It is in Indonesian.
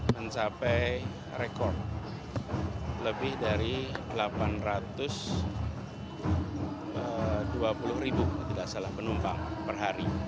mencapai rekor lebih dari delapan ratus dua puluh ribu kalau tidak salah penumpang per hari